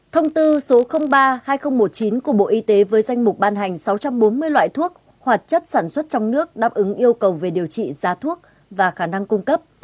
thông tư số ba hai nghìn một mươi chín của bộ y tế với danh mục ban hành sáu trăm bốn mươi loại thuốc hoạt chất sản xuất trong nước đáp ứng yêu cầu về điều trị giá thuốc và khả năng cung cấp